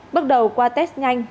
bước đầu qua test nhanh